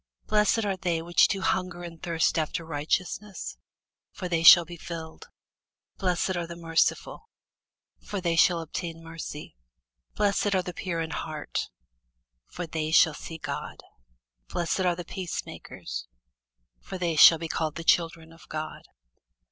Blessed are they which do hunger and thirst after righteousness: for they shall be filled. Blessed are the merciful: for they shall obtain mercy. Blessed are the pure in heart: for they shall see God. Blessed are the peacemakers: for they shall be called the children of God.